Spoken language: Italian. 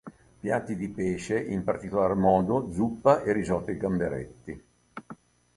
Piatti di Pesce, in particolar modo zuppa e risotto ai gamberetti.